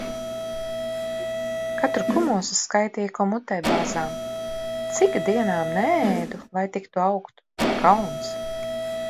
Katru kumosu skaitīja, ko mutē bāzām. Cik dienām neēdu, lai tik tu augtu. Kauns!